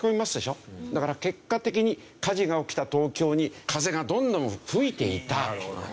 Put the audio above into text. だから結果的に火事が起きた東京に風がどんどん吹いていた。